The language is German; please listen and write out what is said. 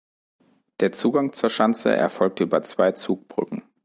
Der Zugang zur Schanze erfolgte über zwei Zugbrücken.